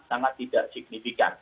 sangat tidak signifikan